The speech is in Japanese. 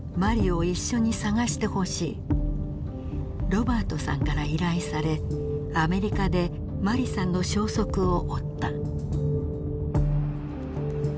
ロバァトさんから依頼されアメリカでマリさんの消息を追った。